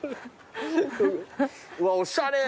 うわおしゃれ。